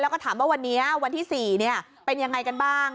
แล้วก็ถามว่าวันนี้วันที่๔เป็นยังไงกันบ้าง